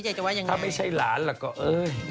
ถ้าไม่ใช่หลานล่ะก็เอ้ย